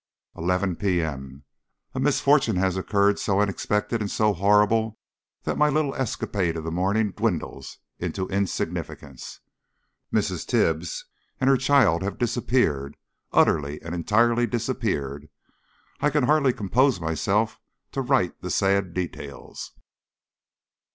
11 P.M. A misfortune has occurred so unexpected and so horrible that my little escape of the morning dwindles into insignificance. Mrs. Tibbs and her child have disappeared utterly and entirely disappeared. I can hardly compose myself to write the sad details.